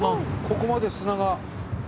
ここまで砂が。